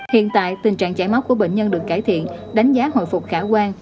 hiện tại tình trạng chảy máu của bệnh nhân được cải thiện đánh giá hồi phục khả quan